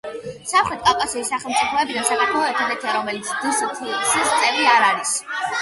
სამხრეთ კავკასიის სახელმწიფოებიდან საქართველო ერთადერთია, რომელიც დსთ-ს წევრი არ არის.